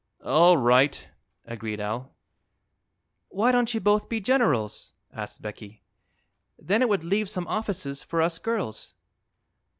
"All right," agreed Al. "Why don't you both be generals?" asked Becky. "Then it would leave some offices for us girls."